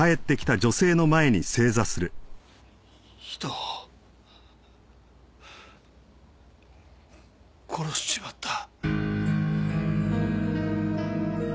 人を殺しちまった。